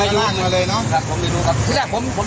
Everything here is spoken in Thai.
มีรถจักรยานยนต์อยู่ข้างหน้าเนี้ยมีภาพอย่างที่เห็นในกล้องมุมจรปิด